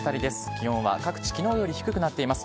気温は各地きのうより低くなっています。